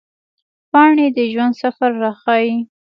پاڼې د ژوند سفر راښيي